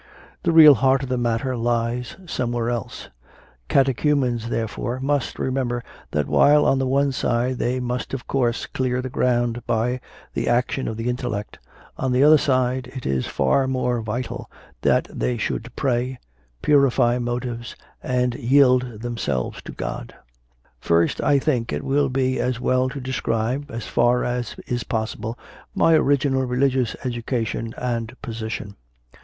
The real heart of the matter lies somewhere else. ... Catechumens, therefore, must remember that while on the one side they must of course clear the ground by the action of the intellect, on the other side it is far more vital that they should pray, purify motives, and yield them selves to God. 2. First, I think, it will be as well to describe, so far as is possible, my original religious education and position.